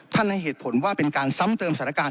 ให้เหตุผลว่าเป็นการซ้ำเติมสถานการณ์